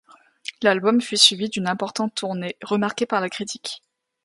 L'album fut suivi d'une importante tournée remarquée par la critique.